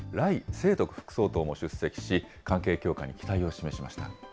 清徳副総統も出席し、関係強化に期待を示しました。